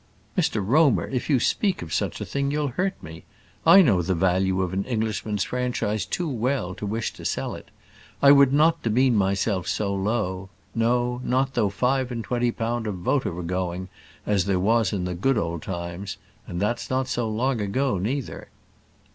"Mr Romer, if you speak of such a thing, you'll hurt me. I know the value of an Englishman's franchise too well to wish to sell it. I would not demean myself so low; no, not though five and twenty pound a vote was going, as there was in the good old times and that's not so long ago neither."